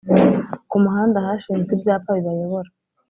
Kumuhanda hashinzwe ibyapa bibayobora